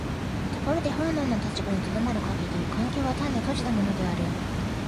ところで本能の立場に止まる限り環境は単に閉じたものである。